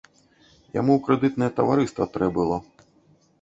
Яму ў крэдытнае таварыства трэ было.